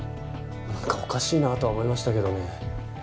なんかおかしいなとは思いましたけどね。